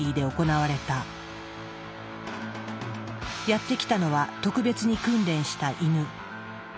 やって来たのは特別に訓練したイヌ。